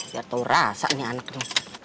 biar tau rasa nih anak lu